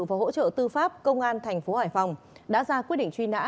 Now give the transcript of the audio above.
và hỗ trợ tư pháp công an thành phố hải phòng đã ra quyết định truy nã